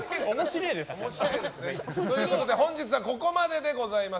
ということで本日はここまででございます。